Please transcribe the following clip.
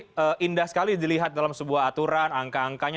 ini indah sekali dilihat dalam sebuah aturan angka angkanya